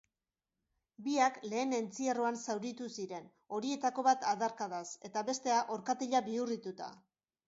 Biak lehen entzierroan zauritu ziren, horietako bat adarkadaz eta bestea orkatila bihurrituta.